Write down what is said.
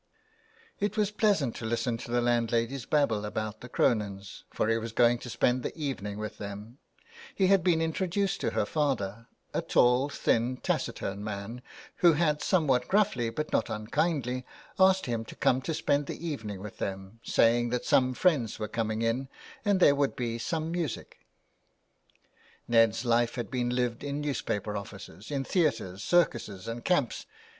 306 THE WILD GOOSE. It was pleasant to listen to the landlady's babble about the Cronins, for he was going to spend the evening with them ; he had been introduced to her father, a tall, thin, taciturn man, who had somewhat gruffly, but not unkindly, asked him to come to spend the evening with them, saying that some friends were coming in, and there would be some music. Ned's life had been lived in newspaper offices, in theatres, circuses and camps.